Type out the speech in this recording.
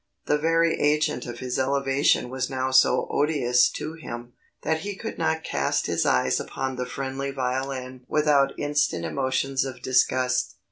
The very agent of his elevation was now so odious to him, that he could not cast his eyes upon the friendly violin without instant emotions of disgust.